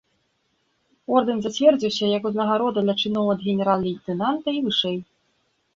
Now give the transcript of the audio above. Ордэн зацвердзіўся як узнагарода для чыноў ад генерал-лейтэнанта і вышэй.